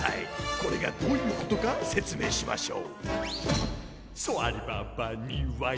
これがどういうことか説明しましょう。